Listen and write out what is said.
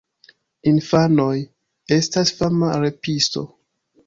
Infanoj: "Estas fama repisto!"